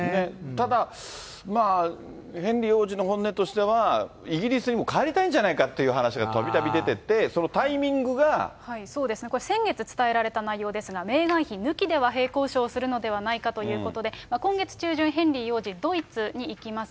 ただ、まあ、ヘンリー王子の本音としては、イギリスにもう帰りたいんじゃないかって話がたびたび出てて、そそうですね、これ、先月伝えられた内容ですが、メーガン妃抜きで和平交渉をするのではないかという話で、今月中旬、ヘンリー王子、ドイツに行きます。